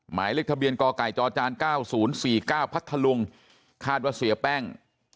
หมายเลขทะเบียนกไก่จจ๙๐๔๙พัทธลุงคาดว่าเสียแป้ง